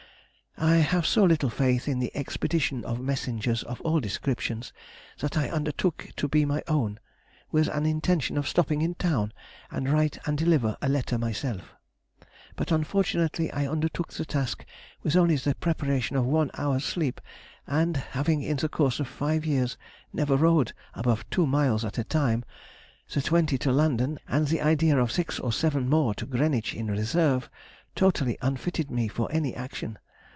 I have so little faith in the expedition of messengers of all descriptions that I undertook to be my own, with an intention of stopping in town and write and deliver a letter myself, but unfortunately I undertook the task with only the preparation of one hour's sleep, and having in the course of five years never rode above two miles at a time, the twenty to London, and the idea of six or seven more to Greenwich in reserve, totally unfitted me for any action.